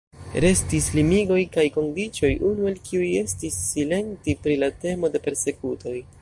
Restis limigoj kaj kondiĉoj, unu el kiuj estis silenti pri la temo de persekutoj.